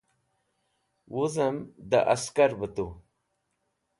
Wuzem de Askar be tu